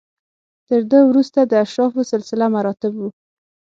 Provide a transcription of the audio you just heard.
تر ده وروسته د اشرافو سلسله مراتب و.